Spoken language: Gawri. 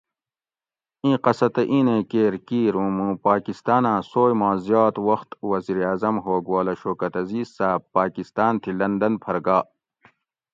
اِیں قصہ تہ اِیں نیں کیر کِیر اُوں مُوں پاکستاۤناۤں سوئ ما زیات وخت وزیراعظم ہوگ والہ شوکت عزیز صاۤب پاۤکستاۤن تھی لندن پھر گا